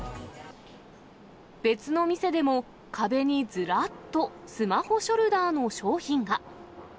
別の店でも、壁にずらっとスマホショルダーの商品が。